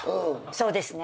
そうですね。